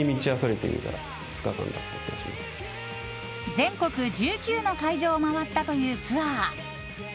全国１９の会場を回ったというツアー。